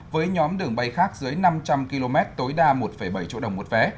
với nhóm đường bay khác dưới năm trăm linh km tối đa một bảy triệu đồng một vé